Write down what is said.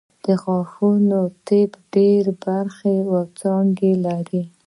د غاښونو طب ډېرې برخې او څانګې لري